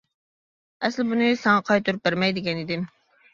ئەسلى بۇنى ساڭا قايتۇرۇپ بەرمەي دېگەنىدىم.